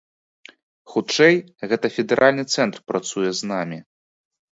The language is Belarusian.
Хутчэй, гэта федэральны цэнтр працуе з намі.